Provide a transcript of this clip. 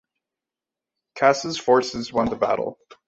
Kassa's forces won the battle.